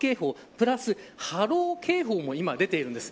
プラス波浪警報も今出ています。